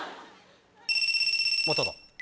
まただ。